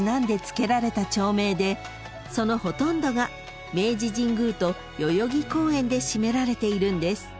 ［そのほとんどが明治神宮と代々木公園で占められているんです］